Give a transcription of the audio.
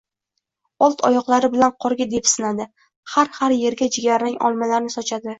Old oyoqlari bilan qorga depsinadi, har-har erga jigarrang olmalarni sochadi